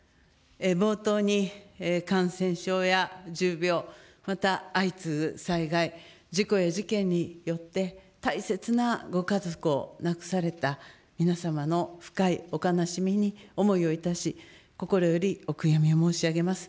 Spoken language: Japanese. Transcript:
冒頭に感染症や重病、また相次ぐ災害、事故や事件によって、大切なご家族を亡くされた皆様の深いお悲しみに思いをいたし、心よりお悔やみを申し上げます。